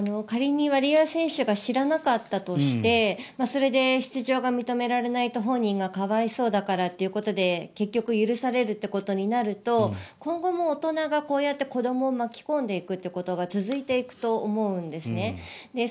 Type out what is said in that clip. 仮にワリエワ選手が知らなかったとしてそれで出場が認められないと本人が可哀想だということで結局、許されるということになると今後も大人がこうやって子どもを巻き込んでいくということが続いていくと思うんですね。